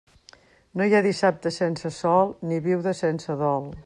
No hi ha dissabte sense sol ni viuda sense dol.